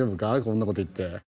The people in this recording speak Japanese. こんな事言って。